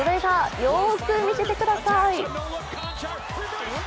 よーく見ててください。